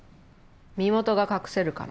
身元が隠せるから。